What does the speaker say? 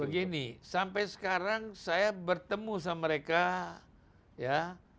begini sampai sekarang saya bertemu sama mereka ya